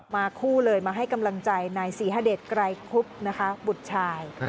คู่เลยมาให้กำลังใจนายศรีฮเดชไกรคุบนะคะบุตรชาย